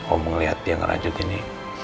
aku melihat dia ngerajut ini